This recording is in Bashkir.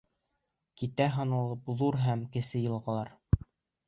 Китә һаналып ҙур һәм кесе йылғалар.